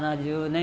７０年。